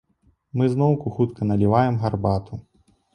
Мы зноўку хутка наліваем гарбату.